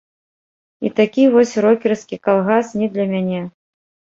А такі вось рокерскі калгас не для мяне.